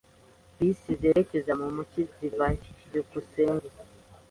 Bisi zerekeza mu mujyi ziva he? byukusenge